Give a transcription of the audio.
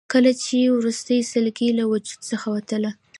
کله یې چې وروستۍ سلګۍ له وجود څخه وتله.